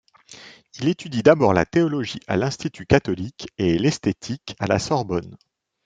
Il étudie d'abord la théologie à l'Institut catholique, et l'esthétique à la Sorbonne.